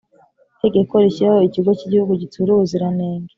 itegeko rishyiraho Ikigo cy’Igihugu gitsura ubuziranenge